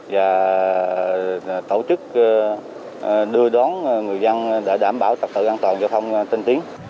và tổ chức đưa đón người dân để đảm bảo tập thể an toàn cho phòng tân tiến